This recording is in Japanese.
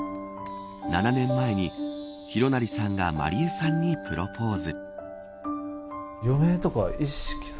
７年前に、紘成さんが麻莉絵さんにプロポーズ。